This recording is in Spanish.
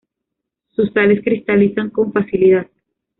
Sus sales cristalizan con facilidad.